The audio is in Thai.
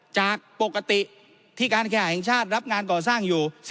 จากปกติที่การแข่งชาติรับงานก่อสร้างอยู่